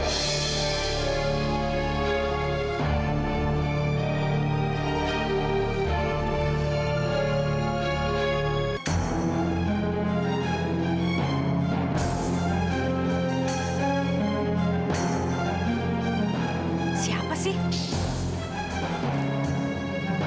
kau tahu apa itu